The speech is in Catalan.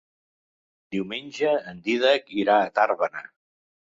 Diumenge en Dídac irà a Tàrbena.